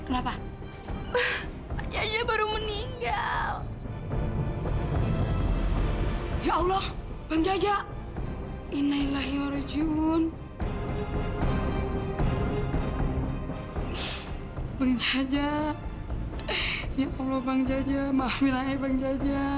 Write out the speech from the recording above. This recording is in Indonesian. sampai jumpa di video selanjutnya